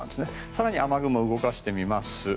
更に雨雲を動かしてみます。